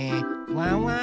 ワンワン